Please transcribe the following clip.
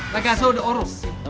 lagi asal udah oru